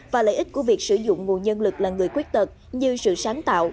và lợi ích của việc sử dụng nguồn nhân lực là người khuyết tật như sự sáng tạo